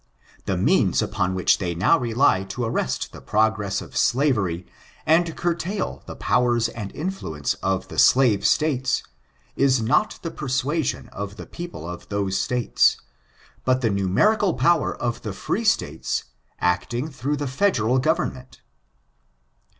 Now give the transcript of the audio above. The means upon which they now rely to arrest the progress of slavery, and eurtidl the powers and influence of the slave States, is not the persuasion of the people of those States, but the numerical power of the free States actmg through the Federal Government.